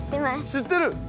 知ってる！